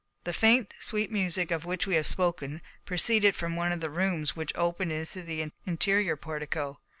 The faint, sweet music of which we have spoken proceeded from one of the rooms which opened into the interior portico.